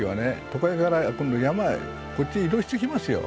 都会から今度山へこっちへ移動してきますよ。